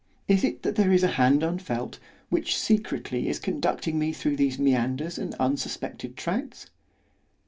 _—is it that there is a hand unfelt, which secretly is conducting me through these meanders and unsuspected tracts?